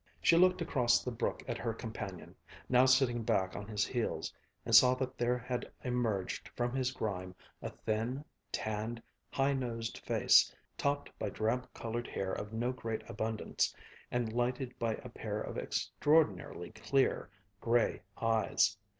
She looked across the brook at her companion, now sitting back on his heels, and saw that there had emerged from his grime a thin, tanned, high nosed face, topped by drab colored hair of no great abundance and lighted by a pair of extraordinarily clear, gray eyes.